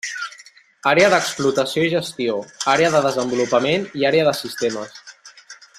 Àrea d'Explotació i Gestió, Àrea de Desenvolupament i Àrea de Sistemes.